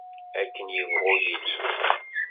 Akken ibɣu yilli.